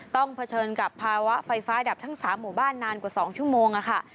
เผชิญกับภาวะไฟฟ้าดับทั้ง๓หมู่บ้านนานกว่า๒ชั่วโมงค่ะ